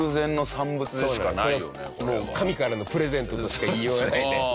神からのプレゼントとしか言いようがないね。